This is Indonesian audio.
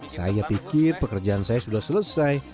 saya pikir pekerjaan saya sudah selesai